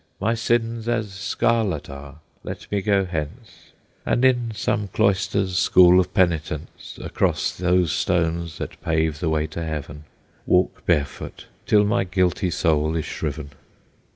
My sins as scarlet are; let me go hence, And in some cloister's school of penitence, Across those stones, that pave the way to heaven, Walk barefoot, till my guilty soul is shriven!"